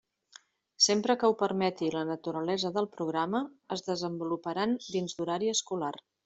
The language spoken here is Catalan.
Sempre que ho permeti la naturalesa del programa, es desenvoluparan dins d'horari escolar.